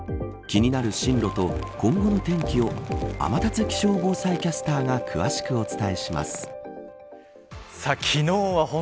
気になる進路と今後の天気を天達気象防災キャスターが詳しくお伝えします。